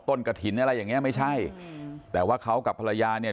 กระถิ่นอะไรอย่างเงี้ยไม่ใช่แต่ว่าเขากับภรรยาเนี่ย